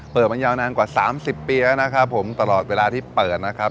เปิดมันยาวนานกว่าสามสิบปีแล้วนะครับผมตลอดเวลาที่เปิดนะครับ